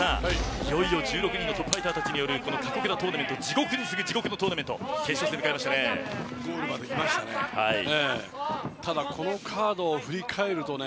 いよいよ１６人のトップファイターたちによる地獄に次ぐ地獄のトーナメント決勝戦を迎えましたね。